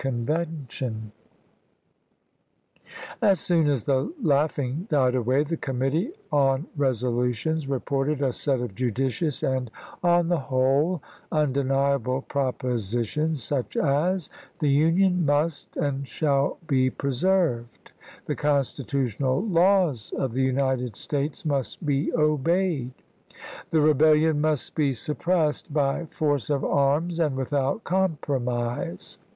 THE CLEVELAND CONVENTION 37 As soon as the laughing died away the committee chap, il on resolutions reported a set of judicious and, on the whole, undeniable propositions, such as, the Union must and shall be preserved, the constitu ise*. tional laws of the United States must be obeyed, the Rebellion must be suppressed by force of arms and without compromise.